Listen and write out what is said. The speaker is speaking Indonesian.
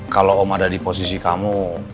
kalau om ada di posisi kamu